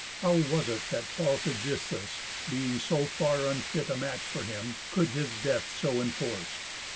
How was it That false Ægisthus, being so far unfit A match for him, could his death so enforce?